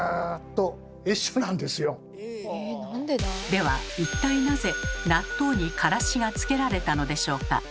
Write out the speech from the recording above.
では一体なぜ納豆にからしがつけられたのでしょうか？